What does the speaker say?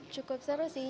cukup seru sih